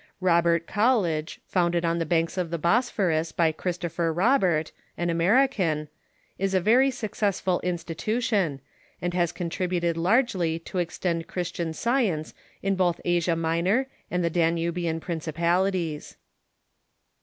Robert College, founded on the banks of the Bosphorus by Christopher Robert, an American, is a very successful institution, and has contrib uted largely to extend Christian science in both Asia Minor and the Danubian principalities.